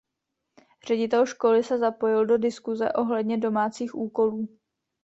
Ředitel školy se zapojil do diskuze ohledně domácích úkolů.